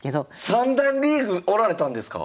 三段リーグおられたんですか